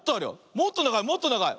もっとながいもっとながい。